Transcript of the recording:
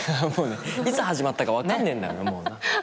いつ始まったか分かんねえんだもうな。